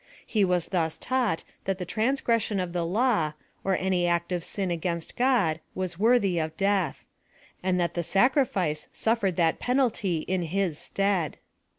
He was thus taught that the transgression of the law, or any act of sin against God, was worthy of death ; and that the sacrifice suffered that penalty in his stead.